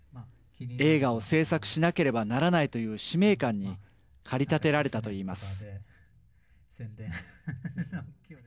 映画を制作しなければならないという使命感に駆り立てられたと言います。